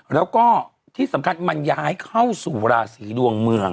แล้วก็ที่สำคัญมันย้ายเข้าสู่ราศีดวงเมือง